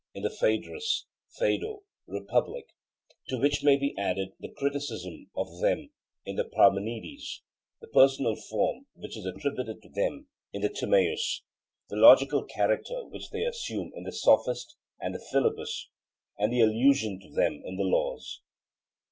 in the Phaedrus, Phaedo, Republic; to which may be added the criticism of them in the Parmenides, the personal form which is attributed to them in the Timaeus, the logical character which they assume in the Sophist and Philebus, and the allusion to them in the Laws.